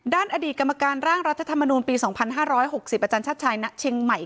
ด้านอดีตกรรมการร่างรัฐธรรมนุนปี๒๕๖๐อชัชชายนะเชียงใหม่